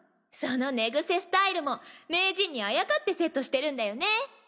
その寝グセスタイルも名人にあやかってセットしてるんだよね！